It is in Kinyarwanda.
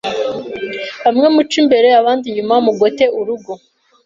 bamwe muce imbere abandi inyuma mugote urugo.